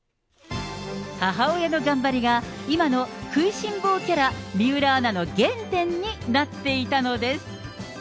母親の頑張りが、今の食いしん坊キャラ、水卜アナの原点になっていたのです。